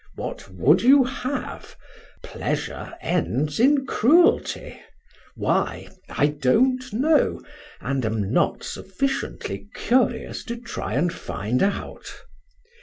"What would you have? Pleasure ends in cruelty. Why? I don't know, and am not sufficiently curious to try and find out....